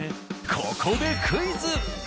ここでクイズ。